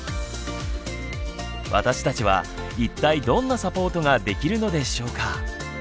私たちは一体どんなサポートができるのでしょうか。